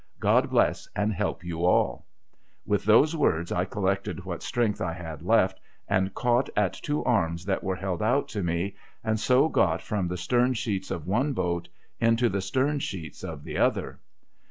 God bless and help you all !' With those words I collected what strength I had left, and caught at two arms that were held out to me, and so got from the stern sheets of one boat into the stern sheets of the other.